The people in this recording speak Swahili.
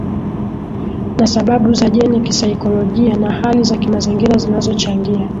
na sababu za jeni kisaikolojia na hali za kimazingira zinazochangia